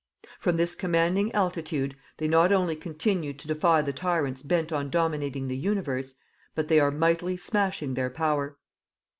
From this commanding altitude, they not only continue to defy the tyrants bent on dominating the universe, but they are mightily smashing their power.